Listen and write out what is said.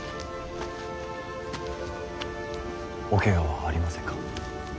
おケガはありませんか。